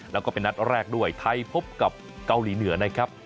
แล้วก็เป็นนัดแรกด้วยไทยพบกับเกาหลีเหนือนะครับ